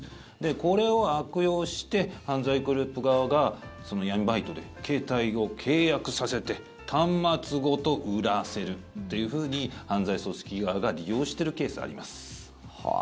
これを悪用して犯罪グループ側が闇バイトで携帯を契約させて端末ごと売らせるというふうに犯罪組織側が利用しているケースがあります。